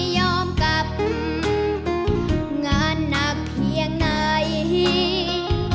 ยอมกลับงานหนักเพียงไหน